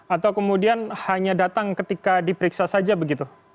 atau kemudian hanya datang ketika diperiksa saja begitu